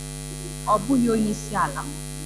Ọ bughị onyeisiala m”.